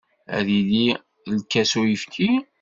Ad yili lkas uyefki?